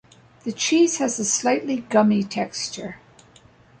The cheese has a slightly gummy texture.